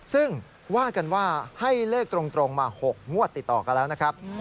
ซึ่งว่ากันว่าให้เลขตรงมา๖งวดติดต่อกันแล้วนะครับ